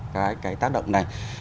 cái tác động này